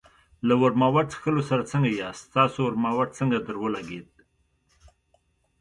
له ورماوټ څښلو سره څنګه یاست؟ ستاسو ورماوټ څنګه درولګېد؟